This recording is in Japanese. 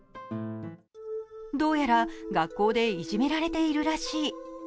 どうやら、学校でいじめられているらしい。